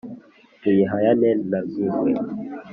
tuyihayane na rwingwe,